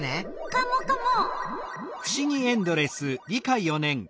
カモカモ。